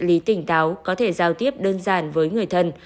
lý tỉnh táo có thể giao tiếp đơn giản với người thân